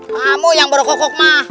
kamu yang berokok kok mah